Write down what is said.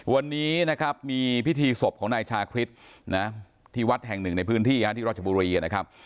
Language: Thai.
วันนี้นะครับมีพิธีศพของนายชาคริสนะที่วัดแห่งหนึ่งในพื้นที่ที่ราชบุรีนะครับ